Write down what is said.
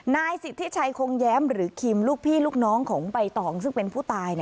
นายสิทธิชัยคงแย้มหรือคิมลูกพี่ลูกน้องของใบตองซึ่งเป็นผู้ตาย